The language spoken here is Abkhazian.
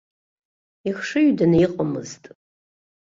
Ихшыҩданы иҟамызт.